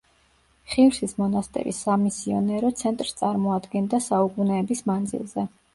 ხირსის მონასტერი სამისიონერო ცენტრს წარმოადგენდა საუკუნეების მანძილზე.